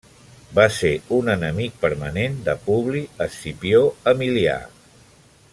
Va ser un enemic permanent de Publi Escipió Emilià.